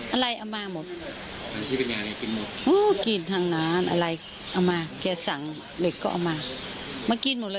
โอน้ยกินดังนั้นอะไรเอามาแกสั่งเด็กป่ะมากินหมดเลย